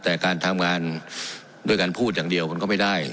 แต่การทำงานด้วยการพูดอย่างเดียวมันก็ไม่ได้